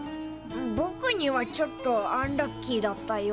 ぼくにはちょっとアンラッキーだったような。